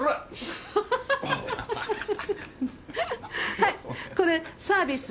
はいこれサービス。